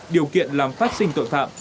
điều kiện làm phát sinh tội phạm